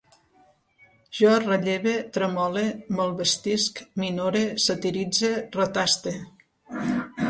Jo relleve, tremole, malvestisc, minore, satiritze, retaste